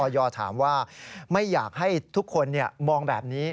ถามว่าไม่อยากให้ทุกคนมองแบบนี้